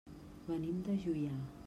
Venim de Juià.